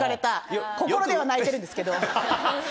心では泣いてるんですけど。